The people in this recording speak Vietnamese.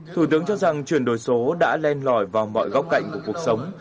thủ tướng cho rằng chuyển đổi số đã len lỏi vào mọi góc cạnh của cuộc sống